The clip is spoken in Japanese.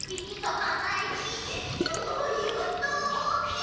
すごいおと！